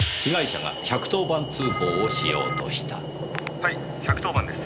「はい１１０番です。